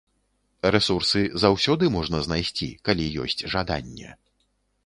Рэсурсы заўсёды можна знайсці, калі ёсць жаданне.